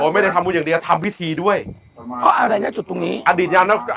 ไม่ได้ทำบุญอย่างเดียวทำพิธีด้วยเพราะอะไรนะจุดตรงนี้อดีตยามแล้ว